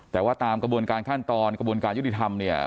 แต่ว่าตามกระบวนการขั้นตอนกระบวนการยุติธรรมเนี่ย